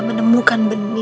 gak akan berapa